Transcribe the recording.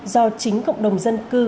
do chính cộng đồng dân cư